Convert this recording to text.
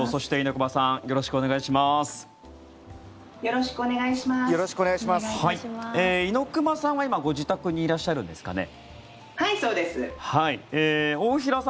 猪熊さんは今、ご自宅にいらっしゃるんですかね。